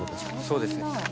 そうですね。